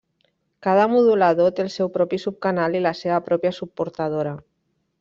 Cada modulador té el seu propi subcanal i la seva pròpia subportadora.